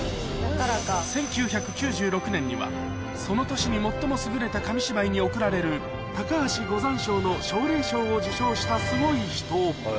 １９９６年には、その年に最も優れた紙芝居に贈られる、高橋五山賞の奨励賞を受賞したすごい人。